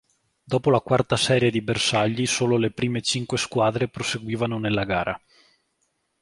Dopo la quarta serie di bersagli solo le prime cinque squadre proseguivano nella gara.